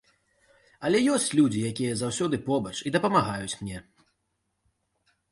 Але ёсць людзі, якія заўсёды побач і дапамагаюць мне.